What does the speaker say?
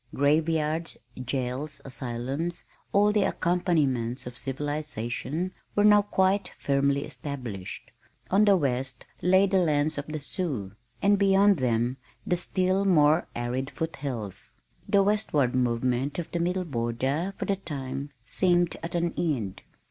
Graveyards, jails, asylums, all the accompaniments of civilization, were now quite firmly established. On the west lay the lands of the Sioux and beyond them the still more arid foot hills. The westward movement of the Middle Border for the time seemed at an end.